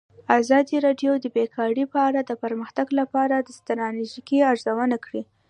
ازادي راډیو د بیکاري په اړه د پرمختګ لپاره د ستراتیژۍ ارزونه کړې.